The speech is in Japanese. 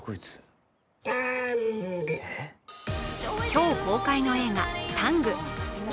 今日公開の映画「ＴＡＮＧタング」。